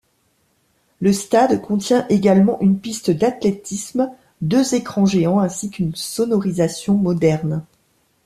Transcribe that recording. Le stade contient également une piste d'athlétisme, deux écrans géants ainsi qu'une sonorisation moderne.